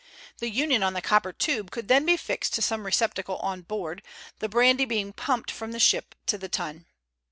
The union on the copper tube could then be fixed to some receptacle on board, the brandy being pumped from the ship to the tun.